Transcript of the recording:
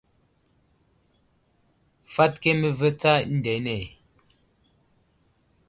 Fat keme ve tsa eŋdene ?